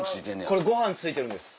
これご飯ついてるんです。